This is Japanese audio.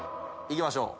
いきましょう。